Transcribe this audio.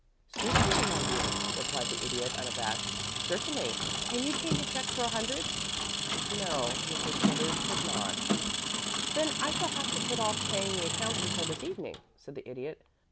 "Certainly, my dear madame," replied the Idiot, unabashed "certainly. Can you change a check for a hundred?" No, Mrs. Smithers could not. "Then I shall have to put off paying the account until this evening," said the Idiot.